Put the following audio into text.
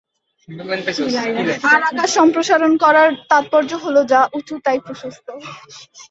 আর আকাশ সম্প্রসারণ করার তাৎপর্য হলো, যা উঁচু তাই প্রশস্ত।